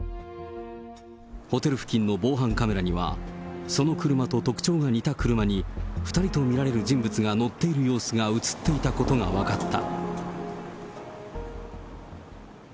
ホテル付近の防犯カメラには、その車と特徴が似た車に２人と見られる人物が乗っている様子が写っていたことが分かった。